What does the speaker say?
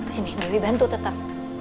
sini dewi bantu tetap